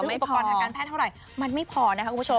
ซึ่งประกอบทางการแพทย์เท่าไหร่มันไม่พอนะครับคุณผู้ชม